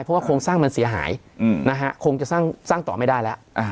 เพราะว่าคงสร้างมันเสียหายอืมนะฮะคงจะสร้างสร้างต่อไม่ได้แล้วอ่า